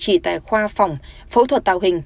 chỉ tại khoa phòng phẫu thuật tàu hình